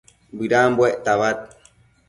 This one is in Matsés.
bëdambuec tabad